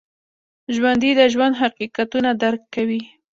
ژوندي د ژوند حقیقتونه درک کوي